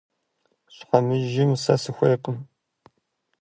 Щхьэмыжым сэ сыхуейкъым.